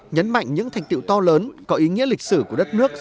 nhấn mạnh những thành tiệu to lớn có ý nghĩa lịch sử của đất nước